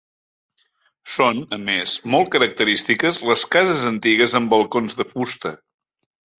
Són, a més, molt característiques les cases antigues amb balcons de fusta.